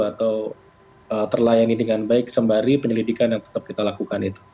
atau terlayani dengan baik sembari penyelidikan yang tetap kita lakukan itu